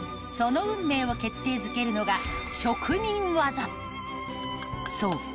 その運命を決定づけるのがそう